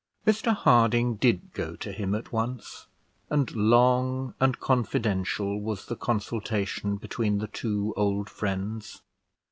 Mr Harding did go to him at once; and long and confidential was the consultation between the two old friends.